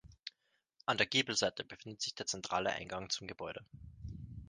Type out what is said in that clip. An der Giebelseite befindet sich der zentrale Eingang zum Gebäude.